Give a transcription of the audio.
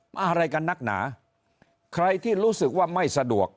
อะไรกันนักหนาใครที่รู้สึกว่าไม่สะดวก